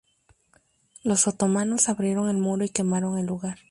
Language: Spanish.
Los otomanos abrieron el muro y quemaron el lugar.